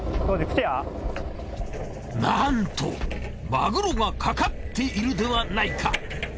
なんとマグロがかかっているではないか！